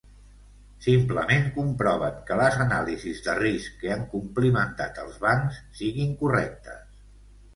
Simplement comproven que les anàlisis de risc que han complimentat els bancs siguin correctes.